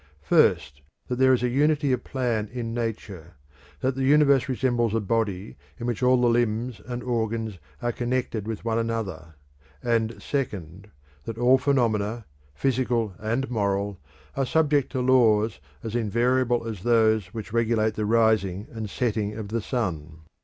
First, that there is a unity of plan in nature, that the universe resembles a body in which all the limbs and organs are connected with one another; and second, that all phenomena, physical and moral, are subject to laws as invariable as those which regulate the rising and setting of the sun.